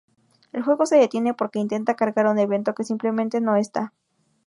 El juego se detiene porque intenta cargar un evento que simplemente no está.